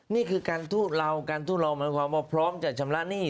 นี่คือการทู้เหล่าการทู้เหล่าเหมือนความว่าพร้อมจะชำระหนี้